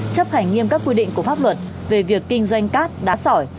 chấp hành nghiêm các quy định của pháp luật về việc kinh doanh cát đá sỏi